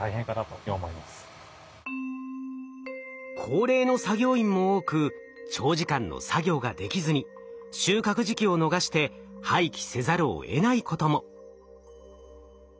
高齢の作業員も多く長時間の作業ができずに収穫時期を逃して廃棄せざるをえないことも。